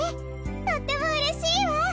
とってもうれしいわ！